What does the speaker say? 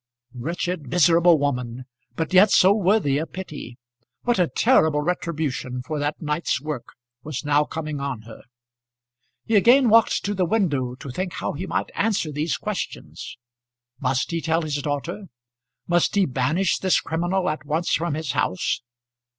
Wretched miserable woman, but yet so worthy of pity! What a terrible retribution for that night's work was now coming on her! He again walked to the window to think how he might answer these questions. Must he tell his daughter? Must he banish this criminal at once from his house?